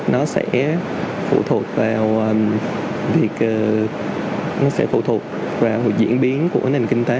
nó sẽ phụ thuộc vào diễn biến của nền kinh tế